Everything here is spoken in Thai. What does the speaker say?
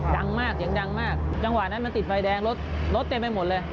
ดังมากเสียงดังมากจังหวะนั้นมันติดไฟแดงรถรถเต็มไปหมดเลย